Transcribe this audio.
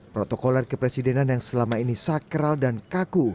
protokoler kepresidenan yang selama ini sakral dan kaku